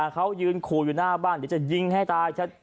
ขึ้นครูอยู่หน้าบ้านเดี๋ยวจะยิงให้ตาย